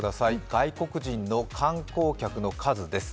外国人の観光客の数です。